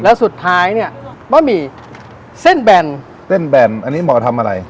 แล้วสุดท้ายเนี่ยบะหมี่เส้นแบนเส้นแบนอันนี้หมอทำอะไร